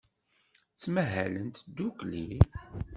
Ttmahalent ddukkli.